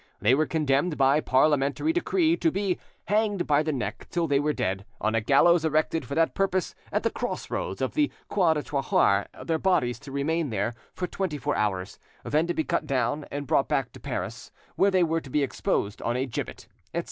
They were condemned by parliamentary decree to "be hanged by the neck till they were dead, on a gallows erected for that purpose at the cross roads of the Croix du Trahoir; their bodies to remain there for twenty four hours, then to be cut down and brought back to Paris, where they were to be exposed an a gibbet," etc.